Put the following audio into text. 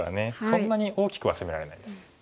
そんなに大きくは攻められないです。